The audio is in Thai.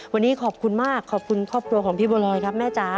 วันนี้ขอบคุณมากขอบคุณครอบครัวของพี่บัวรอยครับแม่จ๋า